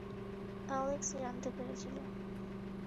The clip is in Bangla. অ্যালেক্স জানতে পেরেছিল।